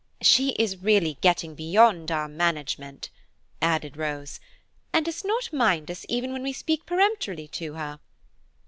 "She is really getting beyond our management," added Rose, "and does not mind us even when we speak peremptorily to her."